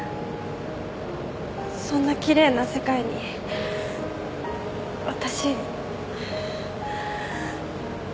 そんな奇麗な世界に私。